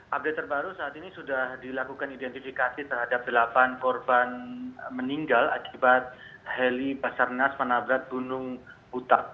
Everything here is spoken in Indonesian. update terbaru saat ini sudah dilakukan identifikasi terhadap delapan korban meninggal akibat heli pasar nas manabrat gunung utak